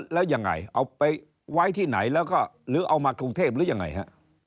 แล้วยังไงเอาไปไว้ที่ไหนแล้วก็หรือเอามากรุงเทพหรือยังไงฮะ